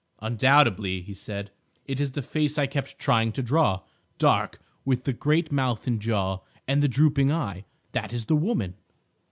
"Undoubtedly," he said, "it is the face I kept trying to draw—dark, with the great mouth and jaw, and the drooping eye. That is the woman."